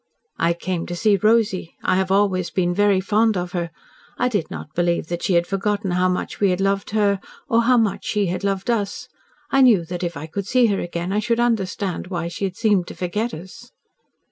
"I came to see Rosy. I have always been very fond of her. I did not believe that she had forgotten how much we had loved her, or how much she had loved us. I knew that if I could see her again I should understand why she had seemed to forget us."